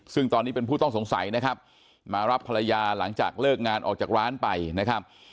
ซึ่งตอนนี้เป็นผู้ต้องสงสัยนะครับมารับภรรยาหลังจากเลิกงานออกจากร้านไปนะครับ